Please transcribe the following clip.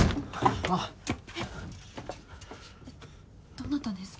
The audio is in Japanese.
どなたですか？